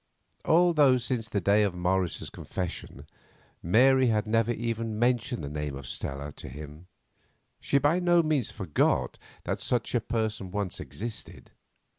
Although since the day of Morris's confession Mary had never even mentioned the name of Stella to him, she by no means forgot that such a person once existed.